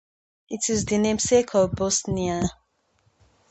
It is the namesake of Bosnia.